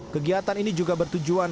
kegiatan ini juga bertujuan